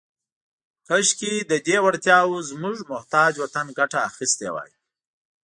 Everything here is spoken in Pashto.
« کاشکې، لهٔ دې وړتیاوو زموږ محتاج وطن ګټه اخیستې وای. »